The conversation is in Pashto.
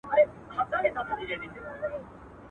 د قلمونو کتابونو کیسې.